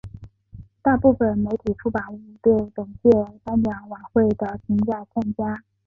大部分媒体出版物对本届颁奖晚会的评价欠佳。